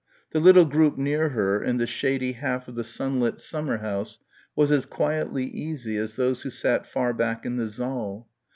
The little group near her in the shady half of the sunlit summer house was as quietly easy as those who sat far back in the saal.